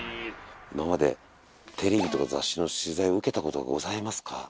今までテレビとか雑誌の取材受けた事ございますか？